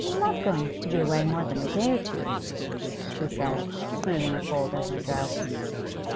'I'm not going to be away more than a day or two,' she said, smoothing a fold in her dress.